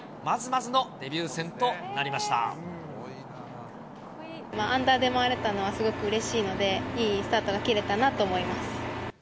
まずまずのデビュー戦となりましアンダーで回れたのは、すごくうれしいので、いいスタートが切れたなと思います。